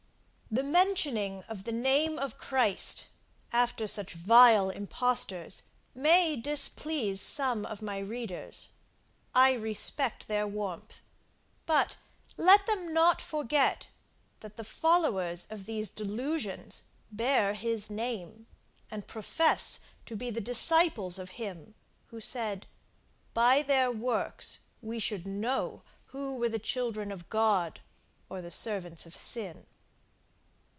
The mentioning of the name of Christ, after such vile impostors may displease some of my readers I respect their warmth; but let them not forget, that the followers of these delusions bear his name, and profess to be the disciples of him, who said, by their works we should know who were the children of God or the servants of sin.